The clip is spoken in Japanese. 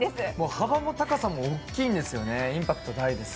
幅も高さも大きいんですよね、インパクト大です。